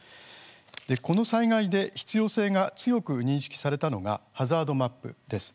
この災害で必要性が強く認識されたのがハザードマップです。